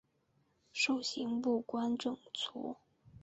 授刑部观政卒。